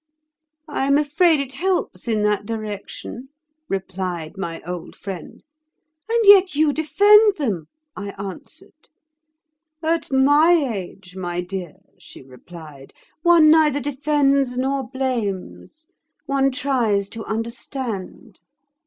'I am afraid it helps in that direction,' replied my old friend. 'And yet you defend them,' I answered. 'At my age, my dear,' she replied, 'one neither defends nor blames; one tries to understand.